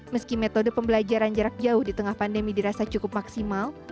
meski metode pembelajaran jarak jauh di tengah pandemi dirasa cukup maksimal